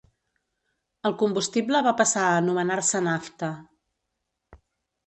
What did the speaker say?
El combustible va passar a anomenar-se nafta.